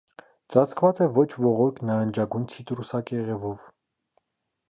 Ծածկված է ոչ ողորկ նարնջագույն ցիտրուսակեղևով։